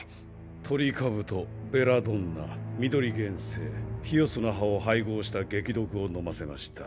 ⁉トリカブトベラドンナミドリゲンセイヒヨスの葉を配合した劇毒を飲ませました。